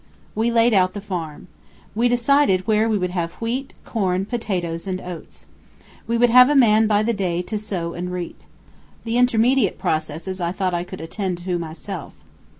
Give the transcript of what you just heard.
We laid out the farm. We decided where we would have wheat, corn, potatoes, and oats. We would have a man by the day to sow and reap. The intermediate processes I thought I could attend to myself.